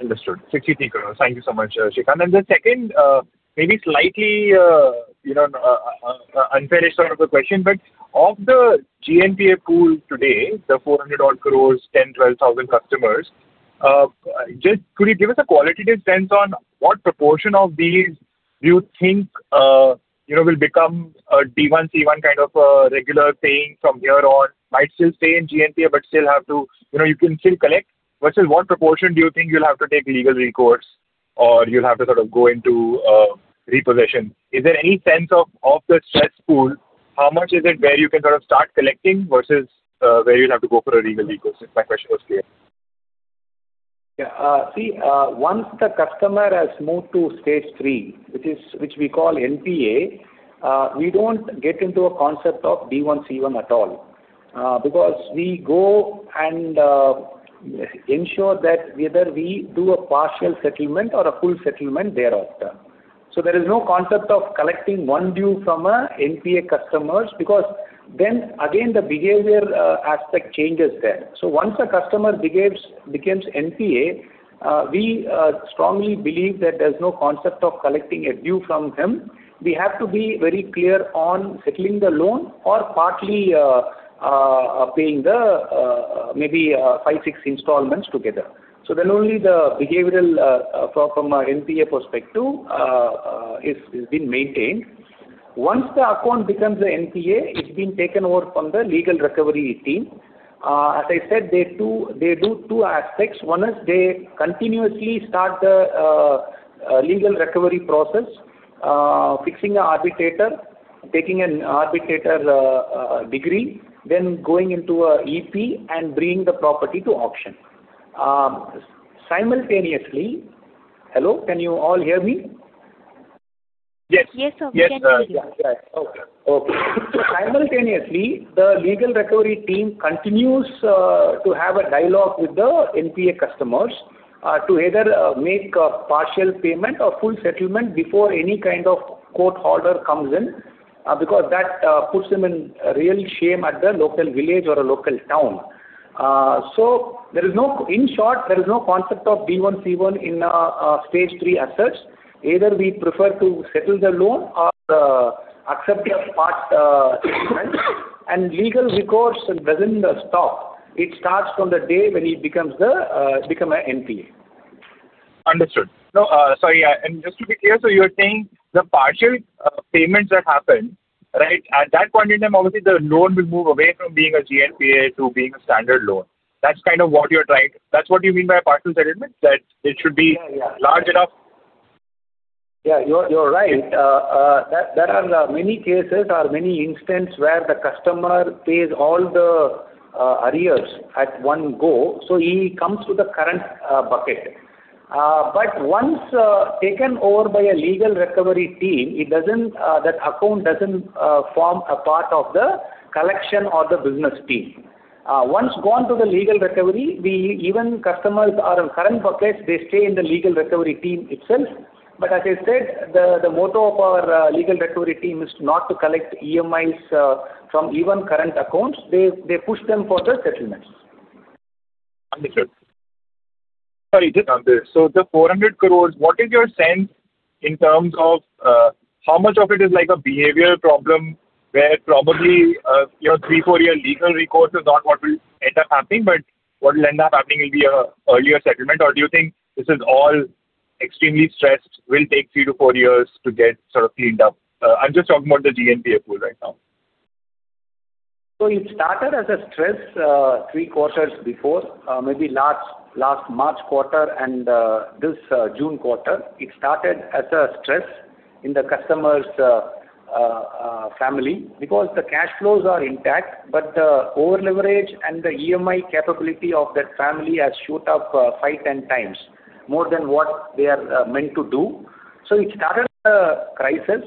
Understood. 63 crores. Thank you so much, Srikanth. The second, maybe slightly unfair sort of a question, but of the GNPA pool today, the 400-odd crore, 10,000-12,000 customers, just could you give us a qualitative sense on what proportion of these do you think will become a D1, C1 kind of a regular paying from here on, might still stay in GNPA, but still have to you can still collect? Versus what proportion do you think you'll have to take legal recourse or you'll have to sort of go into repossession? Is there any sense of the stressed pool? How much is it where you can sort of start collecting versus where you'll have to go for a legal recourse? If my question was clear. Yeah. See, once the customer has moved Stage 3, which we call NPA, we don't get into a concept of D1, C1 at all because we go and ensure that whether we do a partial settlement or a full settlement thereafter. So there is no concept of collecting one due from an NPA customer because then again, the behavior aspect changes there. So once a customer becomes NPA, we strongly believe that there's no concept of collecting a due from him. We have to be very clear on settling the loan or partly paying maybe 5, 6 installments together. So then only the behavioral from an NPA perspective has been maintained. Once the account becomes an NPA, it's been taken over from the legal recovery team. As I said, they do two aspects. One is they continuously start the legal recovery process, fixing an arbitrator, taking an arbitrator's decree, then going into an EP and bringing the property to auction. Simultaneously hello? Can you all hear me? Yes. Yes, sir. We can hear you. Yeah. Yeah. Yeah. Okay. Okay. So simultaneously, the legal recovery team continues to have a dialogue with the NPA customers to either make a partial payment or full settlement before any kind of court order comes in because that puts them in real shame at the local village or a local town. So in short, there is no concept of D1, C1 Stage 3 assets. Either we prefer to settle the loan or accept the part settlement. And legal recourse doesn't stop. It starts from the day when he becomes an NPA. Understood. No. Sorry. And just to be clear, so you're saying the partial payments that happen, right, at that point in time, obviously, the loan will move away from being a GNPA to being a standard loan. That's kind of what you're trying that's what you mean by a partial settlement? That it should be large enough? Yeah. You're right. There are many cases or many instances where the customer pays all the arrears at one go. So he comes to the current bucket. But once taken over by a legal recovery team, that account doesn't form a part of the collection or the business team. Once gone to the legal recovery, even customers are in current buckets, they stay in the legal recovery team itself. But as I said, the motto of our legal recovery team is not to collect EMIs from even current accounts. They push them for the settlements. Understood. Sorry. Understood. So the 400 crore, what is your sense in terms of how much of it is like a behavioral problem where probably 3-4-year legal recourse is not what will end up happening, but what will end up happening will be an earlier settlement? Or do you think this is all extremely stressed, will take 3-4 years to get sort of cleaned up? I'm just talking about the GNPA pool right now. So it started as a stress 3 quarters before, maybe last March quarter and this June quarter. It started as a stress in the customer's family because the cash flows are intact, but the over-leverage and the EMI capability of that family has shot up 5x-10x more than what they are meant to do. So it started a crisis,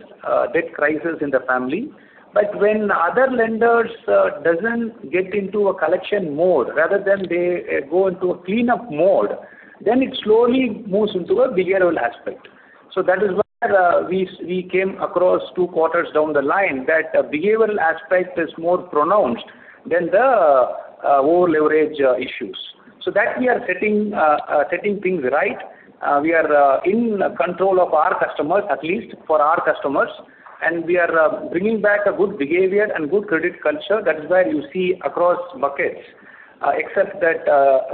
debt crisis in the family. But when other lenders don't get into a collection mode rather than they go into a cleanup mode, then it slowly moves into a behavioral aspect. So that is why we came across two quarters down the line that the behavioral aspect is more pronounced than the over-leverage issues. So that we are setting things right, we are in control of our customers, at least for our customers, and we are bringing back a good behavior and good credit culture. That's where you see across buckets, except that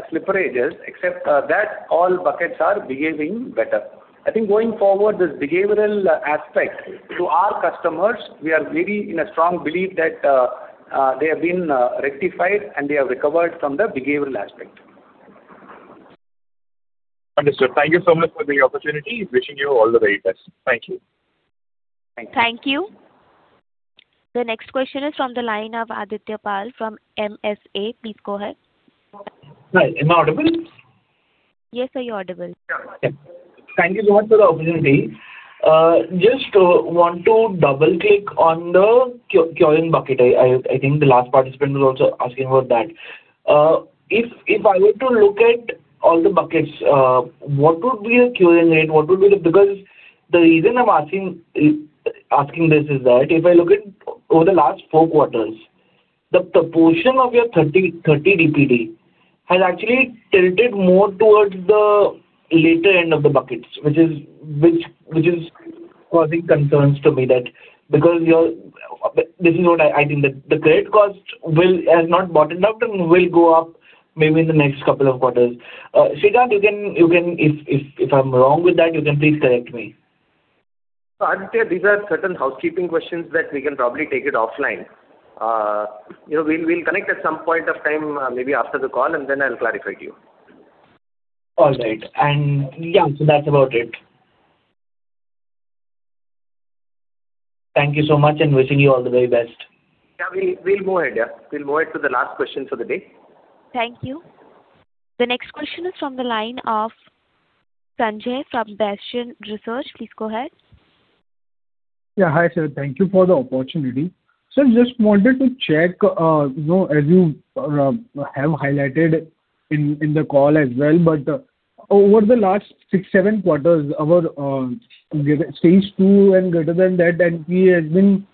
slippery edges, except that all buckets are behaving better. I think going forward, this behavioral aspect to our customers, we are really in a strong belief that they have been rectified and they have recovered from the behavioral aspect. Understood. Thank you so much for the opportunity. Wishing you all the very best. Thank you. Thank you. The next question is from the line of Aditya Pal from MSA. Please go ahead. Hi. Am I audible? Yes, sir. You're audible. Yeah. Thank you so much for the opportunity. Just want to double-click on the [cure] bucket. I think the last participant was also asking about that. If I were to look at all the buckets, what would be the [cure] rate? What would be the, because the reason I'm asking this is that if I look at over the last 4 quarters, the proportion of your 30 DPD has actually tilted more towards the later end of the buckets, which is causing concerns to me that because this is what I think that the credit cost has not bottomed out and will go up maybe in the next couple of quarters. Srikanth, if I'm wrong with that, you can please correct me. Aditya, these are certain housekeeping questions that we can probably take offline. We'll connect at some point of time, maybe after the call, and then I'll clarify to you. All right. And yeah, so that's about it. Thank you so much and wishing you all the very best. Yeah. We'll move ahead. Yeah. We'll move ahead to the last question for the day. Thank you. The next question is from the line of Sanjay from Bastion Research. Please go ahead. Yeah. Hi, sir. Thank you for the opportunity. So I just wanted to check, as you have highlighted in the call as well, but over the last 6, 7 quarters, Stage 2 and greater than that, NPA has been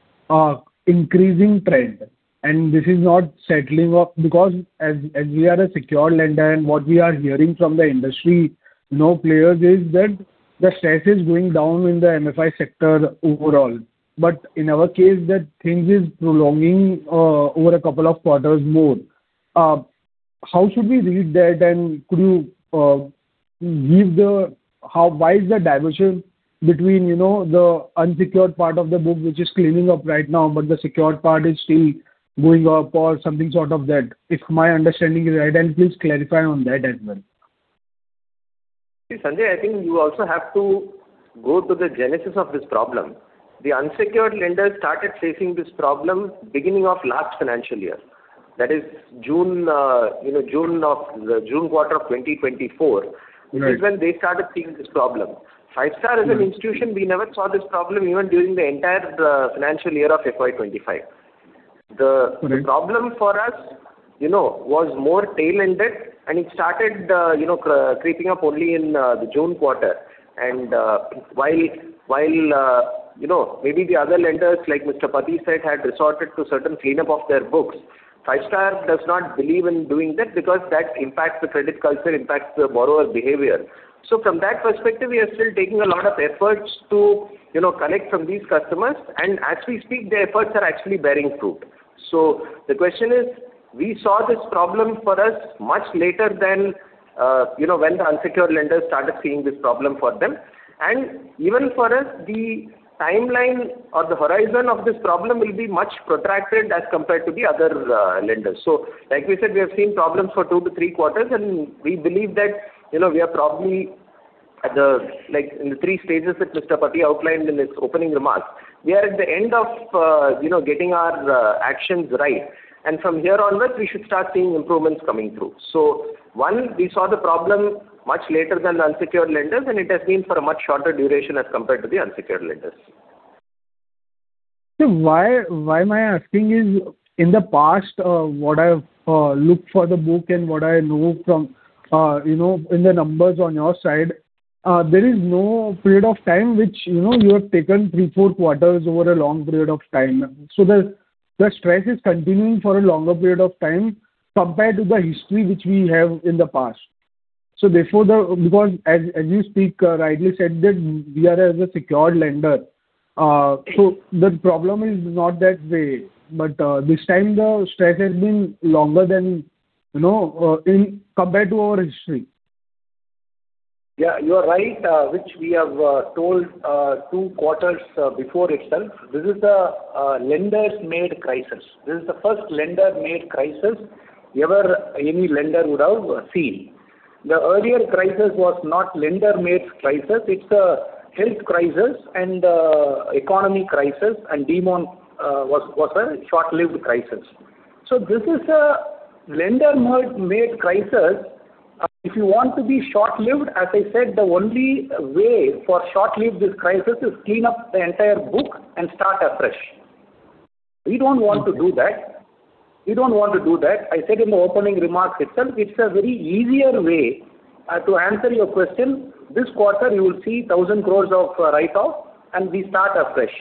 increasing trend. This is not settling down because as we are a secured lender and what we are hearing from the industry now, players is that the stress is going down in the MFI sector overall. But in our case, that thing is prolonging over a couple of quarters more. How should we read that? And could you give the why is the divergence between the unsecured part of the book, which is cleaning up right now, but the secured part is still going up or something sort of that? If my understanding is right, and please clarify on that as well. Sanjay, I think you also have to go to the genesis of this problem. The unsecured lenders started facing this problem beginning of last financial year. That is June quarter of 2024, which is when they started seeing this problem. Five-Star as an institution, we never saw this problem even during the entire financial year of FY 2025. The problem for us was more tail-ended, and it started creeping up only in the June quarter. While maybe the other lenders, like Mr. Pathy said, had resorted to certain cleanup of their books, Five-Star does not believe in doing that because that impacts the credit culture, impacts the borrower behavior. From that perspective, we are still taking a lot of efforts to collect from these customers. As we speak, the efforts are actually bearing fruit. The question is, we saw this problem for us much later than when the unsecured lenders started seeing this problem for them. Even for us, the timeline or the horizon of this problem will be much protracted as compared to the other lenders. So like we said, we have seen problems for 2-3 quarters, and we believe that we are probably in the three stages that Mr. Pathy outlined in his opening remarks. We are at the end of getting our actions right. And from here onwards, we should start seeing improvements coming through. So one, we saw the problem much later than the unsecured lenders, and it has been for a much shorter duration as compared to the unsecured lenders. Why am I asking is in the past, what I've looked for the book and what I know from in the numbers on your side, there is no period of time which you have taken 3-4 quarters over a long period of time. So the stress is continuing for a longer period of time compared to the history which we have in the past. So because as you speak, rightly said that we are as a secured lender. So the problem is not that way. But this time, the stress has been longer than compared to our history. Yeah. You are right, which we have told two quarters before itself. This is a lenders-made crisis. This is the first lender-made crisis ever any lender would have seen. The earlier crisis was not lender-made crisis. It's a health crisis and economy crisis, and D1 was a short-lived crisis. So this is a lender-made crisis. If you want to be short-lived, as I said, the only way for short-lived this crisis is clean up the entire book and start afresh. We don't want to do that. We don't want to do that. I said in the opening remarks itself, it's a very easier way to answer your question. This quarter, you will see 1,000 crore of write-off, and we start afresh.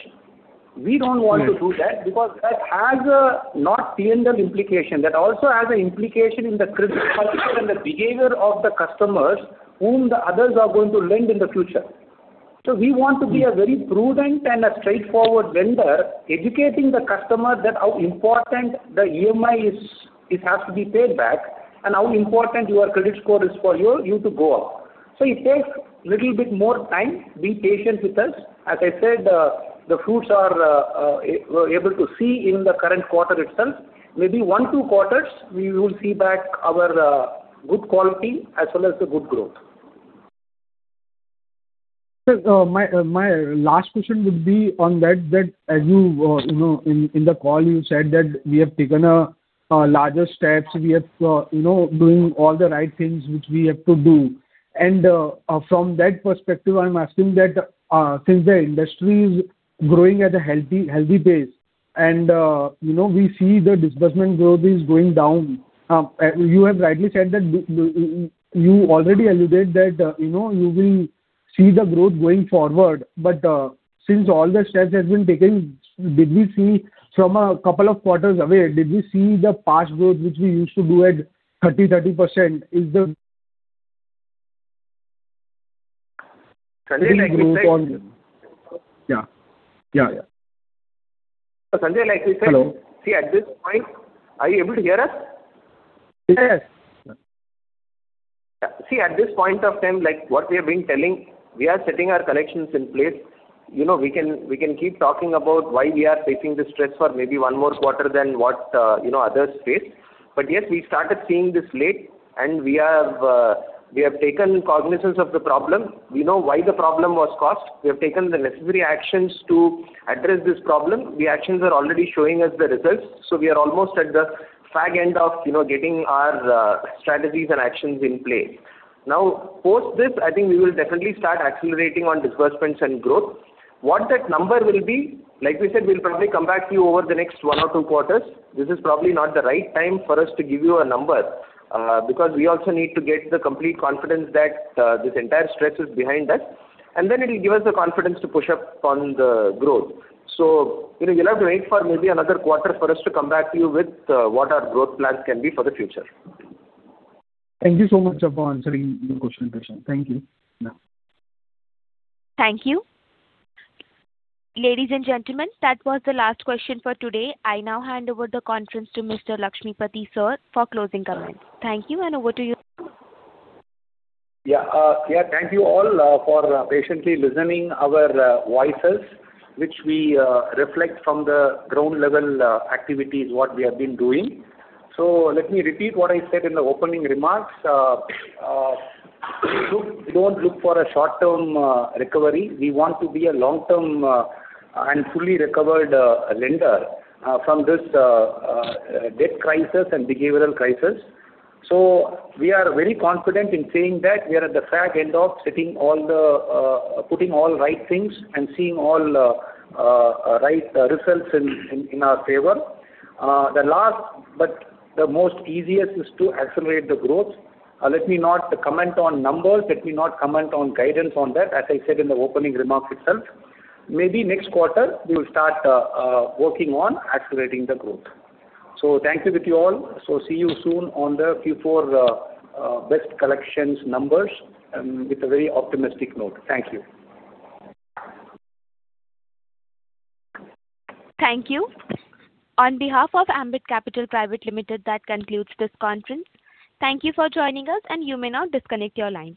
We don't want to do that because that has a not P&L implication. That also has an implication in the credit culture and the behavior of the customers whom the others are going to lend in the future. So we want to be a very prudent and a straightforward lender, educating the customer that how important the EMI has to be paid back and how important your credit score is for you to go up. So it takes a little bit more time. Be patient with us. As I said, the fruits are able to see in the current quarter itself. Maybe one, two quarters, we will see back our good quality as well as the good growth. My last question would be on that. As you said in the call, you said that we have taken larger steps. We have been doing all the right things which we have to do. And from that perspective, I'm asking that since the industry is growing at a healthy pace and we see the disbursement growth is going down, you have rightly said that you already alluded that you will see the growth going forward. But since all the steps have been taken, did we see from a couple of quarters away, did we see the past growth which we used to do at 30%? Sanjay, like we said. Yeah. Yeah. Yeah. Sanjay, like we said. Hello. See, at this point, are you able to hear us? Yes. Yeah. See, at this point of time, what we have been telling, we are setting our collections in place. We can keep talking about why we are facing the stress for maybe one more quarter than what others face. But yes, we started seeing this late, and we have taken cognizance of the problem. We know why the problem was caused. We have taken the necessary actions to address this problem. The actions are already showing us the results. So we are almost at the fag end of getting our strategies and actions in place. Now, post this, I think we will definitely start accelerating on disbursements and growth. What that number will be, like we said, we'll probably come back to you over the next one or two quarters. This is probably not the right time for us to give you a number because we also need to get the complete confidence that this entire stress is behind us. And then it will give us the confidence to push up on the growth. So we'll have to wait for maybe another quarter for us to come back to you with what our growth plans can be for the future. Thank you so much for answering your question, Srikanth. Thank you. Thank you. Ladies and gentlemen, that was the last question for today. I now hand over the conference to Mr. Lakshmipathy Sir for closing comments. Thank you, and over to you. Yeah. Thank you all for patiently listening to our voices, which we reflect from the ground-level activities what we have been doing. So let me repeat what I said in the opening remarks. We don't look for a short-term recovery. We want to be a long-term and fully recovered lender from this debt crisis and behavioral crisis. So we are very confident in saying that we are at the fag end of putting all right things and seeing all right results in our favor. The last, but the most easiest is to accelerate the growth. Let me not comment on numbers. Let me not comment on guidance on that, as I said in the opening remarks itself. Maybe next quarter, we will start working on accelerating the growth. So thank you to you all. So see you soon on the Q4 best collections numbers with a very optimistic note. Thank you. Thank you. On behalf of Ambit Capital Private Limited, that concludes this conference. Thank you for joining us, and you may now disconnect your lines.